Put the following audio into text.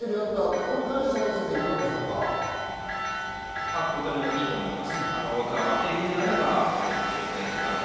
これに関していかがでとてもいいと思います。